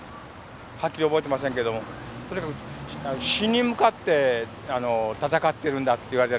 はっきり覚えてませんけどもとにかく死に向かって闘ってるんだと思いますね。